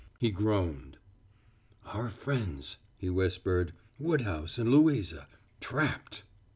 He groaned. "Our friends," he whispered, "Woodhouse and Louisa trapped!"